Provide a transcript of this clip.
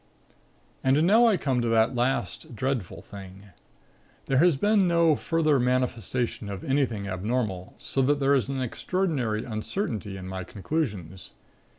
"And now I come to that last, dreadful thing. There has been no further manifestation of anything abnormal so that there is an extraordinary uncertainty in my conclusions.